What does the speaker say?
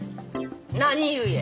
何故？